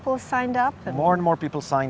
lebih banyak orang yang menandatangani